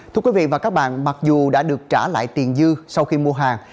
thưa quý vị và các bạn mặc dù đã được trả lại tiền dư sau khi mua hàng